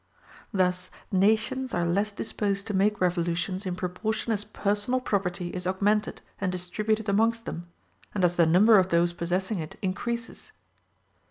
Thus nations are less disposed to make revolutions in proportion as personal property is augmented and distributed amongst them, and as the number of those possessing it increases.